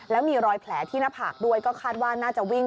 แล้วมีรอยแผลที่หน้าผากด้วยก็คาดว่าน่าจะวิ่ง